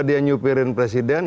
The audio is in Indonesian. dia nyupirin presiden